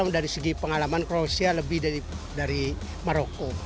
dari segi pengalaman kroasia lebih dari maroko